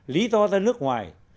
lý do ra nước ngoài